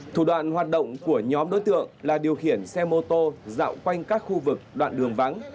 thủ đoạn hoạt động của nhóm đối tượng là điều khiển xe mô tô dạo quanh các khu vực đoạn đường vắng